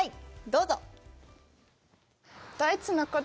どうぞ！